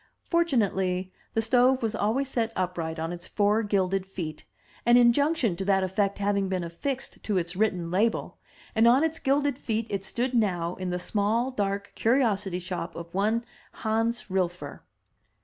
Fortunately, the stove was always set upright on its four gilded feet, an injunction to that effect having been affixed to its written label, and on its gilded feet it stood now in the small dark curiosity shop of one, Hans Rhilfer.